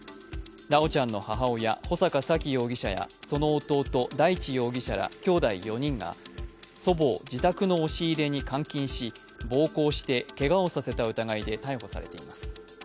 修ちゃんの母親、穂坂沙喜容疑者やその弟・大地容疑者らきょうだい４人が祖母を自宅の押し入れに監禁し、暴行してけがをさせた疑いで逮捕されています。